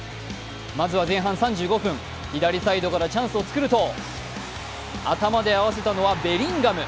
まずは前半３５分、左サイドからチャンスを作ると頭で合わせたのはベリンガム。